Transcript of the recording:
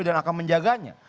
dan akan menjaganya